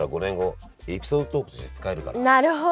なるほど！